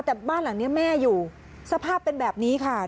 แต่บ้านหลังนี้แม่อยู่สภาพเป็นแบบนี้ค่ะ